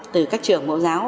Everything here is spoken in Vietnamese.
từ các trường mẫu giáo